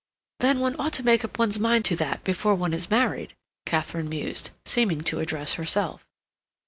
"Then one ought to make up one's mind to that before one is married," Katharine mused, seeming to address herself.